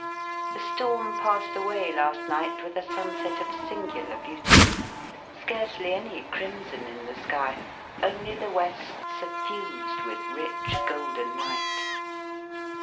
The storm passed away last night with a sunset of singular beauty; scarcely any crimson in the sky, only the west suffused with rich golden light.